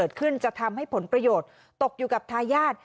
จะทำให้ผลประโยชน์ตกอยู่กับทายาท